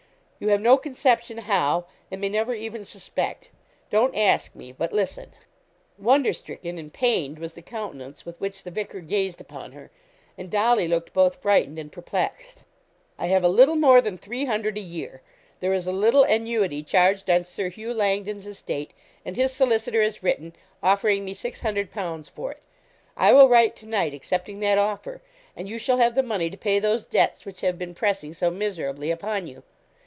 You have no conception how, and may never even suspect. Don't ask me, but listen.' Wonder stricken and pained was the countenance with which the vicar gazed upon her, and Dolly looked both frightened and perplexed. 'I have a little more than three hundred a year. There is a little annuity charged on Sir Hugh Landon's estate, and his solicitor has written, offering me six hundred pounds for it. I will write to night accepting that offer, and you shall have the money to pay those debts which have been pressing so miserably upon you.